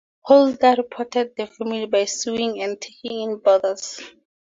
Hulda supported the family by sewing and taking in boarders.